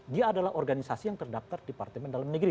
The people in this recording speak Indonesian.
dia adalah organisasi yang terdaftar ke departemen dalam negeri